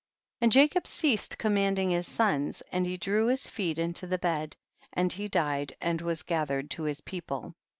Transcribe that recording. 22. And Jacob ceased command ing his sons, and he drew his feet into the bed, he died and was gathered to his people.